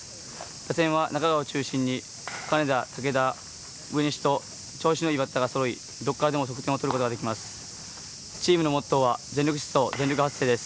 打線は中川を中心に金田、武田、植西と調子のいいバッターがそろいどこからでも得点を取ることができます。